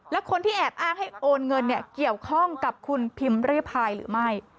และคนที่แอบอ้างให้โอนเงินเนี่ยเกี่ยวข้องกับคุณพิมพ์ริพายหรือไม่